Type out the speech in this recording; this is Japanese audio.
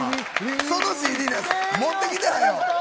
そのＣＤ持ってきて、はい。